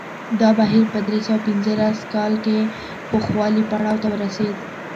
دا بهیر په درې سوه پنځلس کال کې پوخوالي پړاو ته ورسېد